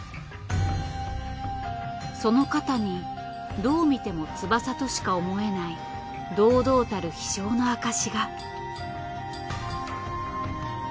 その肩にどう見ても翼としか思えない堂々たる飛翔の証しが。